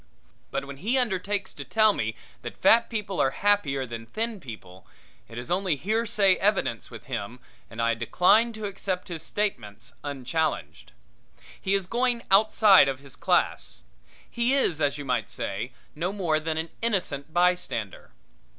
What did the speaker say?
But when he undertakes to tell me that fat people are happier than thin people, it is only hearsay evidence with him and decline to accept his statements unchallenged. He is going outside of his class. He is, as you might say, no more than an innocent bystander.